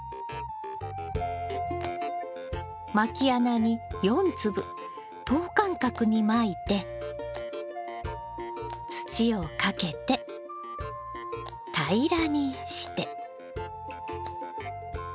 まき穴に４粒等間隔にまいて土をかけて平らにして。